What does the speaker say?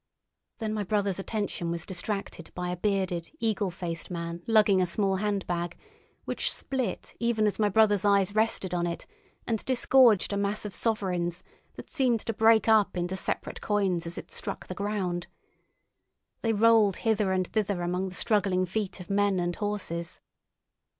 Then my brother's attention was distracted by a bearded, eagle faced man lugging a small handbag, which split even as my brother's eyes rested on it and disgorged a mass of sovereigns that seemed to break up into separate coins as it struck the ground. They rolled hither and thither among the struggling feet of men and horses.